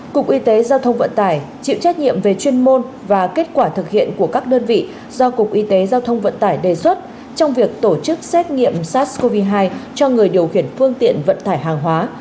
cục y tế giao thông vận tải chịu trách nhiệm về chuyên môn và kết quả thực hiện của các đơn vị do cục y tế giao thông vận tải đề xuất trong việc tổ chức xét nghiệm sars cov hai cho người điều khiển phương tiện vận tải hàng hóa